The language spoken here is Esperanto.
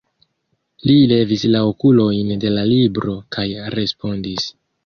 Li levis la okulojn de la libro kaj respondis: